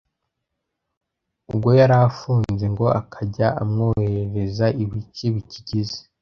ubwo yari afunze, ngo akajya amwoherereza ibice bikigize